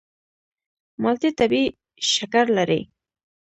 مالټې طبیعي شکر لري.